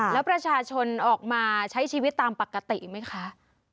แล้วประชาชนออกมาใช้ชีวิตตามปกติไหมคะ